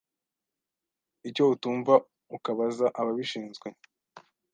icyo utumva ukabaza ababishinzwe